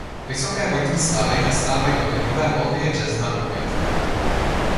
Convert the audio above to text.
Vysoké vodní stavy nastávají od druhé poloviny března do května.